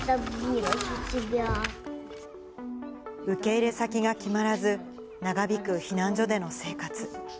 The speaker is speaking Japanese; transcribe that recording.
受け入れ先が決まらず、長引く避難所での生活。